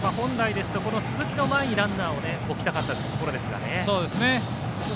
本来ですと鈴木の前にランナーを置きたかったところですけど。